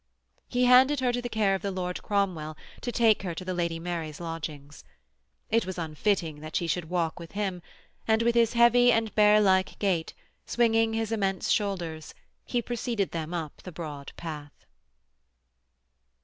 He handed her to the care of the Lord Cromwell to take her to the Lady Mary's lodgings. It was unfitting that she should walk with him, and, with his heavy and bearlike gait, swinging his immense shoulders, he preceded them up the broad path.